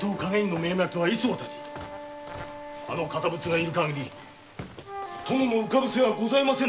あの堅物がいるかぎり殿の浮かぶ瀬はございませぬ！